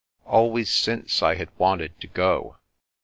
Always since, I had wanted to go.